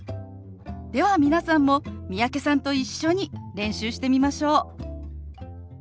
では皆さんも三宅さんと一緒に練習してみましょう！